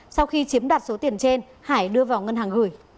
sau khi chiếm đoạt số tiền trên hải đưa vào ngân hàng gửi